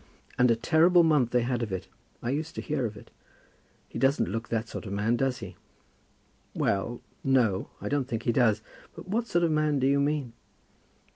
"And a terrible month they had of it. I used to hear of it. He doesn't look that sort of man, does he?" "Well; no. I don't think he does. But what sort of man do you mean?"